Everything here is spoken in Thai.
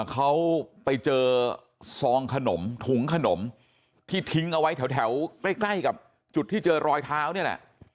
เขาไปเจอซองขนมถุงขนมที่ทิ้งเอาไว้แถวใกล้กับจุดที่เจอรอยเท้านี่แหละ